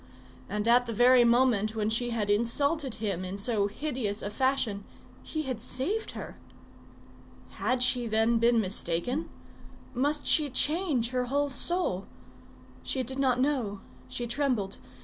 And at the very moment when she had insulted him in so hideous a fashion, he had saved her! Had she, then, been mistaken? Must she change her whole soul? She did not know; she trembled.